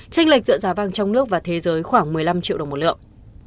khoảng một mươi năm triệu đồng một lượng